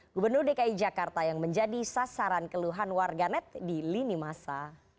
gubernur dki jakarta yang menjadi sasaran keluhan warganet di lini masa